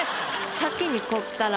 先にこっから。